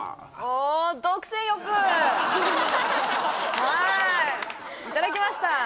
おはいいただきました